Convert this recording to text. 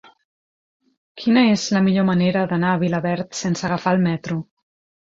Quina és la millor manera d'anar a Vilaverd sense agafar el metro?